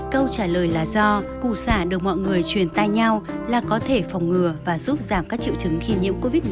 câu trả lời là do cụ xả được mọi người truyền tai nhau là có thể phòng ngừa và giúp giảm các triệu chứng khi nhiễm covid một mươi